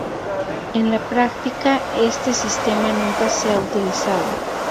En la práctica, este sistema nunca se ha utilizado.